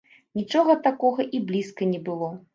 Нічога такога і блізка не было.